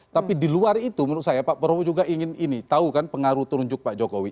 tapi di luar itu menurut saya pak prabowo juga ingin ini tahu kan pengaruh telunjuk pak jokowi